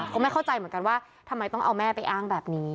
ก็ไม่เข้าใจเหมือนกันว่าทำไมต้องเอาแม่ไปอ้างแบบนี้